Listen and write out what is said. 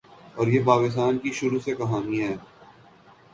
اور یہ پاکستان کی شروع سے کہانی ہے۔